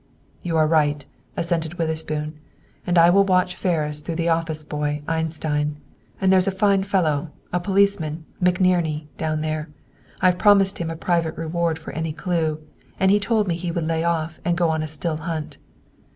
"You are right," assented Witherspoon, "and I will watch Ferris through the office boy, Einstein, and there's a fine fellow, a policeman, McNerney, down there. I've promised him a private reward for any clue, and he told me he would lay off and go on a still hunt.